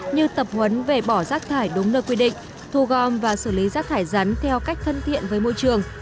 như tập huấn về bỏ rác thải đúng nơi quy định thu gom và xử lý rác thải rắn theo cách thân thiện với môi trường